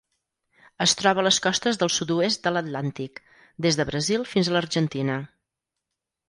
Es troba a les costes del sud-oest de l'Atlàntic: des de Brasil fins a l'Argentina.